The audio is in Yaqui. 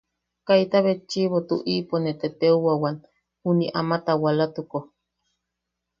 Kaita betchiʼibo tuʼipo... ne teteuʼewan, juniʼi ama taawalatuko.